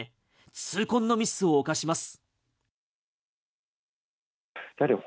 痛恨のミスを犯します。